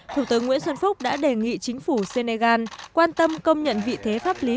thủ tướng nguyễn xuân phúc đã đề nghị chính phủ senegal quan tâm công nhận vị thế pháp lý